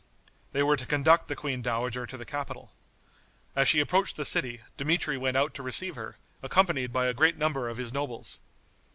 They were to conduct the queen dowager to the capital. As she approached the city, Dmitri went out to receive her, accompanied by a great number of his nobles.